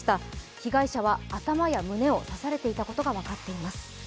被害者は頭や胸を刺されていたことが分かっています。